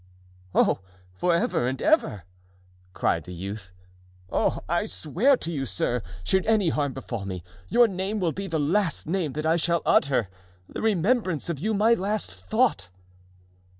"Oh! for ever and ever!" cried the youth; "oh! I swear to you, sir, should any harm befall me, your name will be the last name that I shall utter, the remembrance of you my last thought."